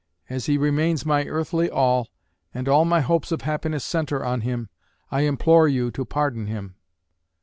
As he remains my earthly all, and all my hopes of happiness centre on him, I implore you to pardon him.